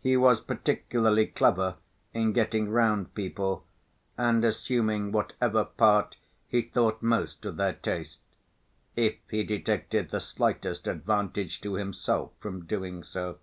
He was particularly clever in getting round people and assuming whatever part he thought most to their taste, if he detected the slightest advantage to himself from doing so.